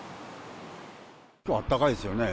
きょう、あったかいですよね。